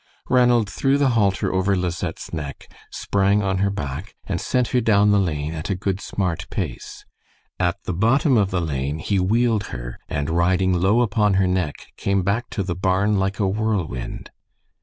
Ranald threw the halter over Lisette's neck, sprang on her back, and sent her down the lane at a good smart pace. At the bottom of the lane he wheeled her, and riding low upon her neck, came back to the barn like a whirlwind.